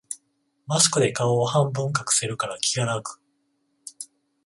マスクで顔を半分隠せるから気が楽